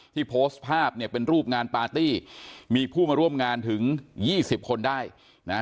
โพสต์ภาพเนี่ยเป็นรูปงานปาร์ตี้มีผู้มาร่วมงานถึงยี่สิบคนได้นะ